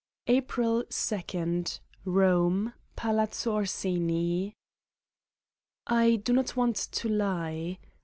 April 2, Eome. Pallazzo Orsini. I do not want to lie.